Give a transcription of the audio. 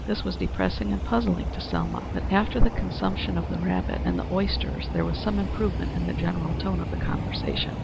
This was depressing and puzzling to Selma; but after the consumption of the rabbit and the oysters there was some improvement in the general tone of the conversation.